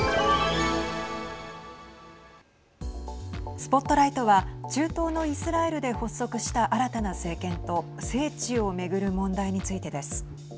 ＳＰＯＴＬＩＧＨＴは中東のイスラエルで発足した新たな政権と聖地を巡る問題についてです。